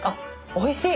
おいしい！